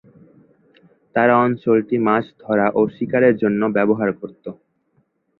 তারা অঞ্চলটি মাছ ধরা ও শিকারের জন্য ব্যবহার করতো।